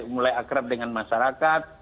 mulai akrab dengan masyarakat